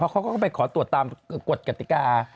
เขาก็ไปขอตรวจตามกฎกติกา